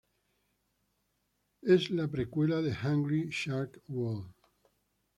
Es la precuela de Hungry Shark World.